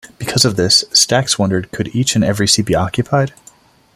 Because of this, Stax wondered: Could each and every seat be occupied?